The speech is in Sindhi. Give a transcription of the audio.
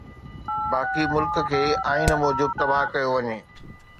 باقي ملڪ کي آئين موجب تباهه ڪيو وڃي